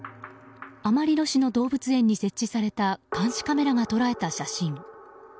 アマリロ市の動物園に設置された監視カメラが捉えた写真。